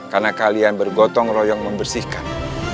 karena kalian bergotong royong membersihkan